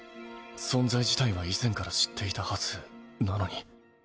存在自体は以前から知っていたはずなのに。